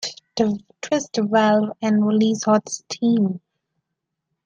Twist the valve and release hot steam.